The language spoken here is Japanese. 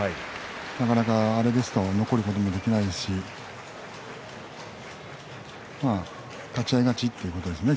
なかなかあれですと残ることもできませんし立ち合い勝ちということですね